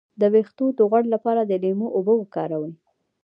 د ویښتو د غوړ لپاره د لیمو اوبه وکاروئ